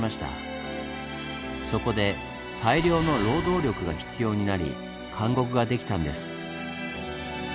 そこで大量の労働力が必要になり監獄ができたんです。